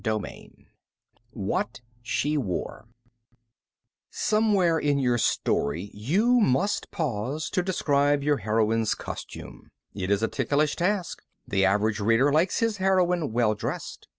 III WHAT SHE WORE Somewhere in your story you must pause to describe your heroine's costume. It is a ticklish task. The average reader likes his heroine well dressed.